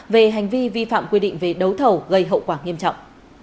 về hành vi vi phạm quy định về đấu thầu gây hậu quả nghiêm trọng